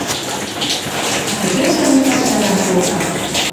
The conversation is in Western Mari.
А тӹдӹжӹ вуйта шӓлӓм колта